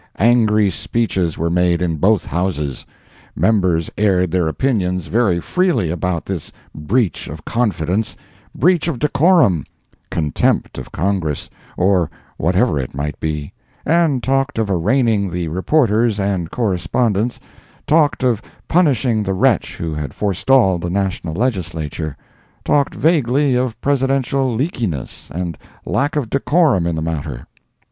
Angry speeches were made in both Houses. Members aired their opinions very freely about this breach of confidence, breach of decorum, contempt of Congress, or whatever it might be, and talked of arraigning the reporters and correspondents—talked of punishing the wretch who had forestalled the national legislature—talked vaguely of Presidential leakiness and lack of decorum in the matter.